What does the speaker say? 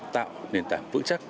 tạo nền tảng vững chắc